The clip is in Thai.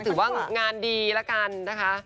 แต่ถือว่างานดีละกันนะคะ